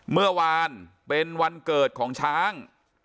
เมื่อวานเป็นวันเกิดของช้าง